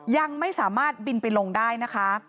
ยังไม่สามารถบินไปลงได้นะคะ